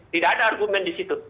tidak ada argumen di situ